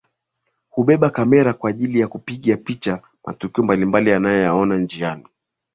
Hubeba kamera kwaajili ya kupiga picha matukio mbalimbali wanayoyaona njiani